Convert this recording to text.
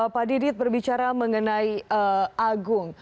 pak didit berbicara mengenai agung